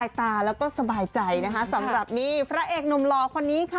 ตาแล้วก็สบายใจนะคะสำหรับนี่พระเอกหนุ่มหล่อคนนี้ค่ะ